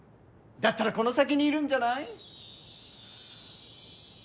だったらこの先にいるんじゃない？